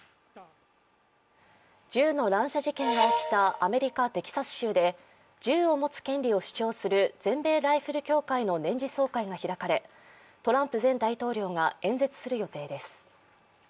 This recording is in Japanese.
銃の乱射事件が起きたアメリカ・テキサス州で銃を持つ権利を主張する全米ライフル協会の年次総会が開かれトランプ前大統領が演説する予定です。